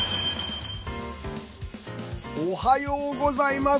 おはようございます。